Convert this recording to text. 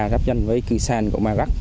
đáp nhân với cư san của ma rắc